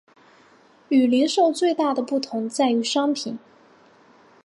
与零售最大的不同在于商品。